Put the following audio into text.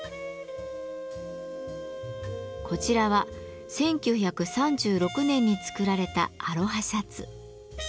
こちらは１９３６年に作られたアロハシャツ。